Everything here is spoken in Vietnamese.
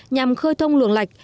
nhằm khơi thông luồng lạch